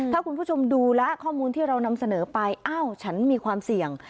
ถ้าคุณผู้ชมดูและข้อมูลที่เรานำเสนอไปอ้าวฉันมีความเสี่ยง